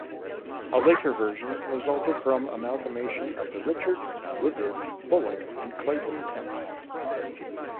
A later version resulted from amalgamation of the Richards, Woodruff, Bullock and Clayton texts.